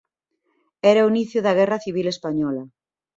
Era o inicio da Guerra Civil Española.